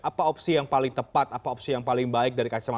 apa opsi yang paling tepat apa opsi yang paling baik dari kacamata